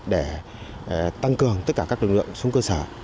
để tăng cường tất cả các lực lượng xuống cơ sở